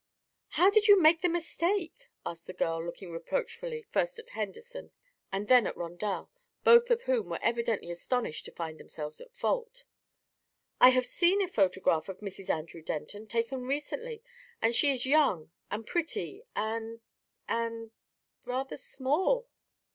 "How did you make the mistake?" asked the girl, looking reproachfully first at Henderson and then at Rondel, both of whom were evidently astonished to find themselves at fault. "I have seen a photograph of Mrs. Andrew Denton, taken recently, and she is young and pretty and and rather small."